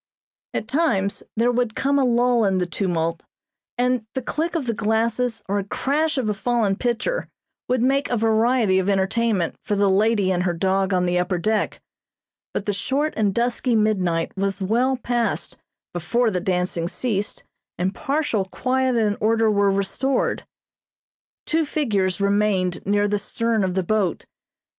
At times there would come a lull in the tumult, and the click of the glasses or crash of a fallen pitcher would make a variety of entertainment for the lady and her dog on the upper deck; but the short and dusky midnight was well passed before the dancing ceased and partial quiet and order were restored. Two figures remained near the stern of the boat.